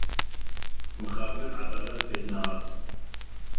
Mixabin edalet pêk nehat.